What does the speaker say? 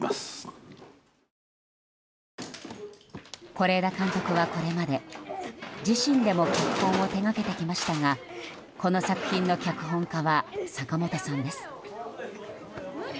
是枝監督はこれまで、自身でも脚本を手掛けてきましたがこの作品の脚本家は坂元さんです。